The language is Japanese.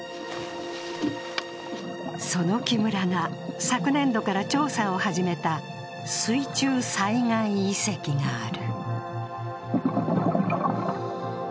その木村が昨年度から始めた水中災害遺跡がある。